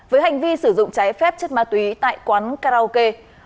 với hành vi sử dụng trái phép chất ma túy tại quán karaoke